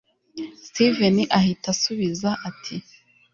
steven ahita asubiza ati